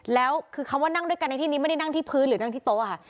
แล้วคือคำว่านั่งด้วยกันในที่นี้ไม่ได้นั่งที่พื้นหรือนั่งที่โต๊ะค่ะ